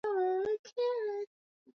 kuwa wanakuwa na muda mrefu ambao